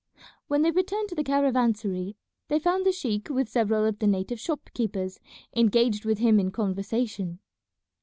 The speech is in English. When they returned to the caravansary they found the sheik with several of the native shop keepers engaged with him in conversation.